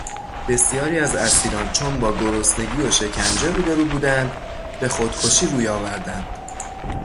بسیاری از اسیران چون با گرسنگی و شکنجه روبرو بودند به خودکشی روی آوردند.